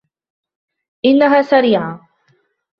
إنها سريعة.